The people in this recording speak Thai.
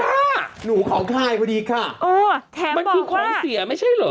หนูของคายพอดีค่ะมันคือของเสียไม่ใช่เหรอ